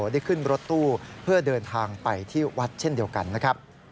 ได้ขึ้นรถตู้เพื่อเดินทางไปที่วัดเช่นเดียวกันนะครับ